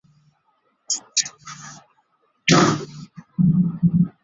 大水苎麻